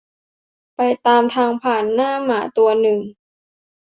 ไปตามทางผ่านหน้าหมาตัวหนึ่ง